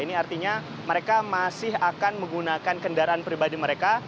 ini artinya mereka masih akan menggunakan kendaraan pribadi mereka